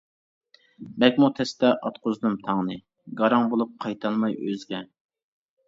بەكمۇ تەستە ئاتقۇزدۇم تاڭنى، گاراڭ بولۇپ قايتالماي ئۆزگە.